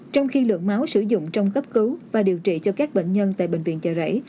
trong khi lượng máu sử dụng trong cấp cứu và điều trị cho các bệnh nhân tại bệnh viện chợ rẫy